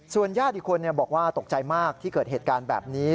ญาติอีกคนบอกว่าตกใจมากที่เกิดเหตุการณ์แบบนี้